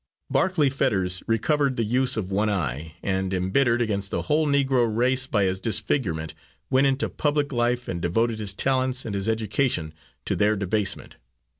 Barclay Fetters recovered the use of one eye, and embittered against the whole Negro race by his disfigurement, went into public life and devoted his talents and his education to their debasement.